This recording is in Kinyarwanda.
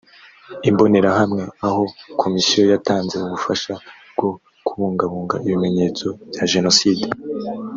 imbonerahamwe aho komisiyo yatanze ubufasha bwo kubungabunga ibimenyetso bya jenoside